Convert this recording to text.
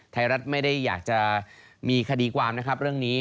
ไทยรัฐไม่ได้อยากจะมีคดีความนะครับเรื่องนี้